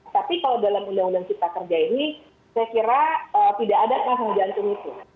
tapi kalau dalam undang undang cipta kerja ini saya kira tidak ada panggung jantung itu